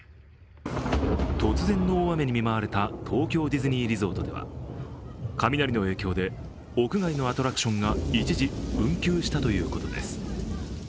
突然の大雨に見舞われた東京ディズニーリゾートでは雷の影響で屋外のアトラクションが一時、運休したということです。